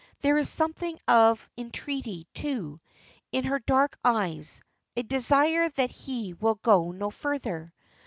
There is something of entreaty, too, in her dark eyes, a desire that he will go no further.